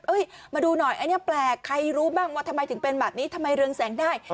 มาดูหน่อยอันนี้แปลกใครรู้บ้างว่าทำไมถึงเป็นแบบนี้ทำไมเรืองแสงได้